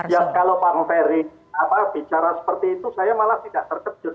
ya kalau bang ferry bicara seperti itu saya malah tidak terkejut